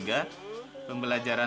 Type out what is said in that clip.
saya tidak tahu